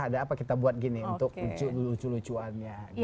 ada apa kita buat gini untuk lucu lucuannya